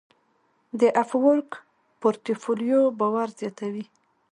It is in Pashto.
د افورک پورټفولیو باور زیاتوي.